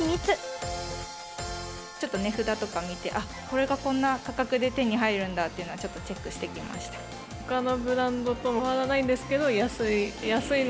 ちょっと値札とか見て、あっ、これがこんな価格で手に入るんだっていうのは、ちょっとチほかのブランドと変わらないんですけど、安い。